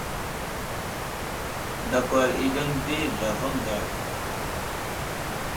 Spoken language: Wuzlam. Ndakwar i aɗeŋw ɗi zlavaŋ daw.